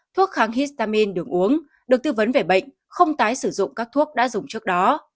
thuốc kháng histamin đường uống được tư vấn về bệnh không tái sử dụng các thuốc đã dùng trước đó